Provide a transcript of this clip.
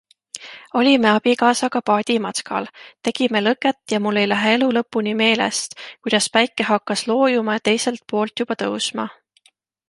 Olime abikaasaga paadimatkal, tegime lõket ja mul ei lähe elu lõpuni meelest, kuidas päike hakkas loojuma ja teiselt poolt juba tõusma.